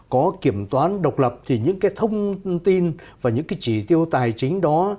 có kiểm toán độc lập thì những cái thông tin và những cái chỉ tiêu tài chính đó